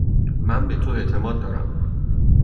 من به تو اعتماد دارم.